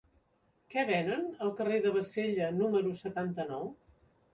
Què venen al carrer de Bassella número setanta-nou?